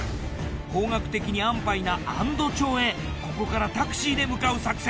方角的に安パイな安堵町へここからタクシーで向かう作戦。